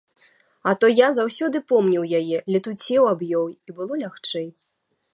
А то я заўсёды помніў яе, летуцеў аб ёй, і было лягчэй.